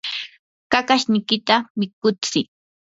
kakashniykita mikutsii